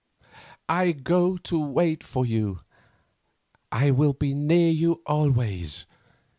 "I go to wait for you. I will be near you always."